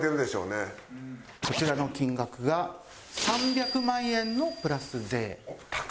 こちらの金額が３００万円のプラス税。